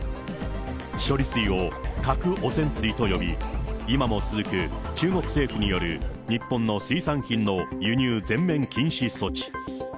処理水を核汚染水と呼び、今も続く中国政府による日本の水産品の輸入全面禁止措置。